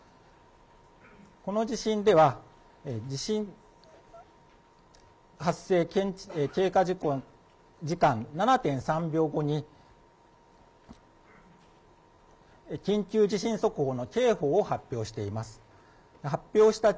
この地震では、地震発生経過時間７．３秒後に、緊急地震速報の警報を発表しています。